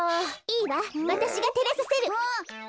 いいわわたしがてれさせる。